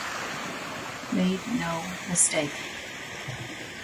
Made No Mistake.